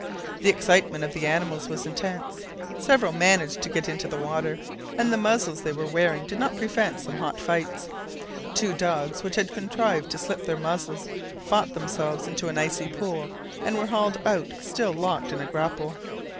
The excitement of the animals was intense. Several managed to get into the water, and the muzzles they were wearing did not prevent some hot fights. Two dogs which had contrived to slip their muzzles fought themselves into an icy pool and were hauled out still locked in a grapple.